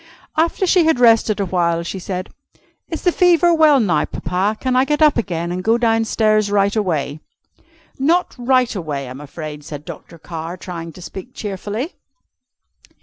After she had rested a while, she said: "Is the fever well now, Papa? Can I get up again and go down stairs right away?" "Not right away, I'm afraid," said Dr. Carr, trying to speak cheerfully.